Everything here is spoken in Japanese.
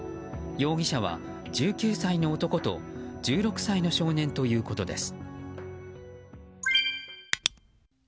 容疑者は１９歳の男と１６歳の少年ということです。